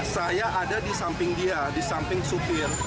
saya ada di samping dia di samping supir